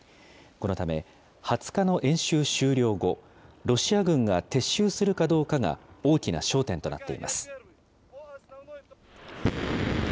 このため、２０日の演習終了後、ロシア軍が撤収するかどうかが大きな焦点となっています。